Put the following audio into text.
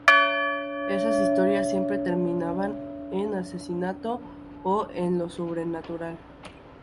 Esas historias, siempre terminaban en asesinato o en lo sobrenatural.